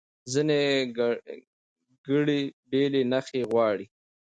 ځینې ګړې بېلې نښې غواړي.